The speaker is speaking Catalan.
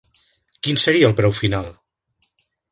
Quin seria el preu final?